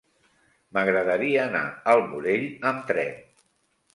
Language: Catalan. M'agradaria anar al Morell amb tren.